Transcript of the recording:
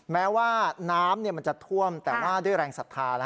แม้ว่าน้ำมันจะท่วมแต่ว่าด้วยแรงศรัทธา